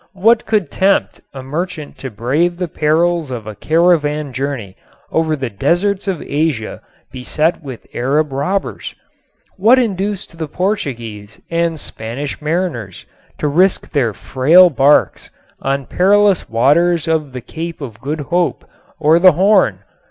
What could tempt a merchant to brave the perils of a caravan journey over the deserts of Asia beset with Arab robbers? What induced the Portuguese and Spanish mariners to risk their frail barks on perilous waters of the Cape of Good Hope or the Horn?